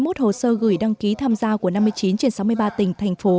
từ bốn trăm bốn mươi một hồ sơ gửi đăng ký tham gia của năm mươi chín trên sáu mươi ba tỉnh thành phố